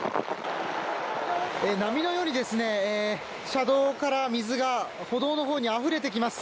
波のように車道から水が歩道のほうにあふれてきます。